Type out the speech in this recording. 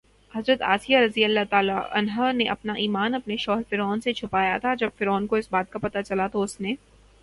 حضرت آسیہ رضی اللہ تعالٰی عنہا نے اپنا ایمان اپنے شوہر فرعون سے چھپایا تھا، جب فرعون کو اس کا پتہ چلا تو اس نے